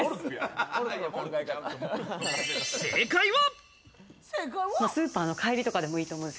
正解は。